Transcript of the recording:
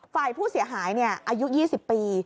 ฝ่ายผู้เสียหายอายุ๒๐ปี